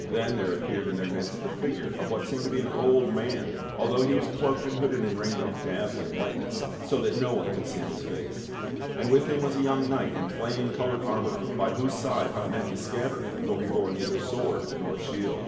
Then there appeared in their midst the figure of what seemed to be an old man although he was cloaked and hooded in raiment of dazzling white ness, so that no one could see his face; and with him was a young knight in flame colored armor by whose side hung an empty scab bard, for he bore neither sword nor shield.